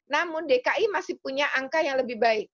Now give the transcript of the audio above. namun dki masih punya angka yang lebih baik